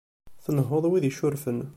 Tnehhuḍ win yeccurfen.